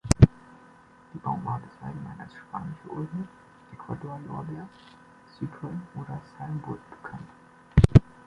Die Baumart ist allgemein als Spanische Ulme, Ecuador-Lorbeer, Cypre oder Salmwood bekannt.